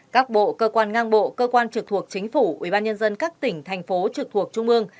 các bộ cơ quan ngang bộ cơ quan trực thuộc chính phủ ubnd các tỉnh thành phố trực thuộc trung ương